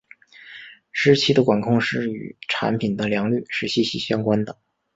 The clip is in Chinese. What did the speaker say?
湿气的管控是与产品的良率是息息相关的。